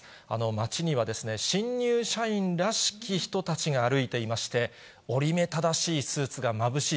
街には新入社員らしき人たちが歩いていまして、折り目正しいスーツがまぶしい